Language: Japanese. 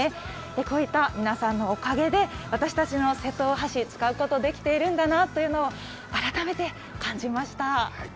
こういった皆さんのおかげで私たちの瀬戸大橋、使うことができているんだなと改めて感じました。